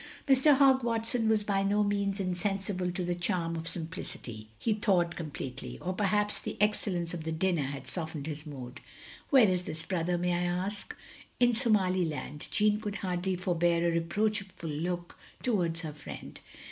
Mr. Hogg Watson was by no means insensible to the charm of simplicity; he thawed completely; or perhaps the excellence of the dinner had softened his mood. " Where is this brother, may I ask?" "In Somaliland." Jeanne could hardly for bear a reproachful look towards her friend.